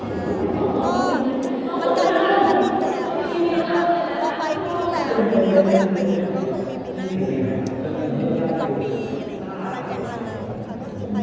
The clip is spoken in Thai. เขาเล่นสกีตัวยังไง